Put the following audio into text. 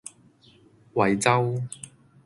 惠州